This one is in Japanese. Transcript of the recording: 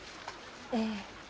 ええ。